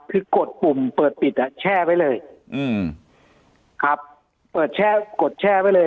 คือกดปุ่มเปิดปิดอ่ะแช่ไว้เลยอืมครับเปิดแช่กดแช่ไว้เลย